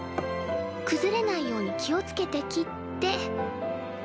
くずれないように気を付けて切って。